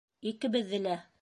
Икебеҙҙе лә!